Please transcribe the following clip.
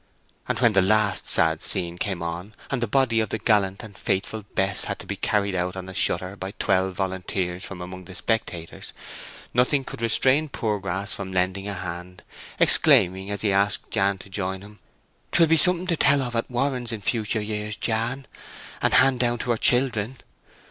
And when the last sad scene came on, and the body of the gallant and faithful Bess had to be carried out on a shutter by twelve volunteers from among the spectators, nothing could restrain Poorgrass from lending a hand, exclaiming, as he asked Jan to join him, "'Twill be something to tell of at Warren's in future years, Jan, and hand down to our children."